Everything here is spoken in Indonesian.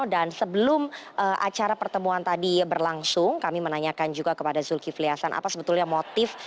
dan sebelum acara pertemuan tadi berlangsung kami menanyakan juga kepada zulkifli hasan apa sebetulnya motif